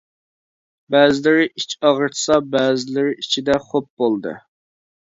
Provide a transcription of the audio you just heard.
بەزىلىرى ئىچ ئاغرىتسا، بەزىلىرى ئىچىدە خوپ بولدى!